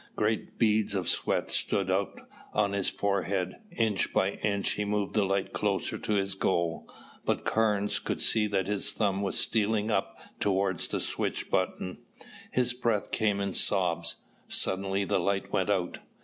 Great beads of sweat stood out on his forehead. Inch by inch he moved the light closer to his goal, but Carnes could see that his thumb was stealing up toward the switch button. His breath came in sobs. Suddenly the light went out.